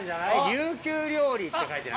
琉球料理って書いてない？